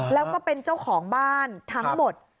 แล้วก็เป็นเจ้าของบ้านทั้งหมด